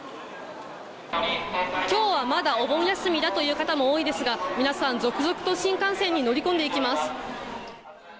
きょうはまだお盆休みだという方も多いですが、皆さん、続々と新幹線に乗り込んでいきます。